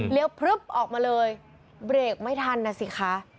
พลึบออกมาเลยเบรกไม่ทันนะสิคะ